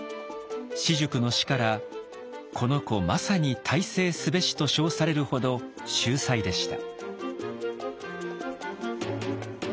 私塾の師から「この児まさに大成すべし」と称されるほど秀才でした。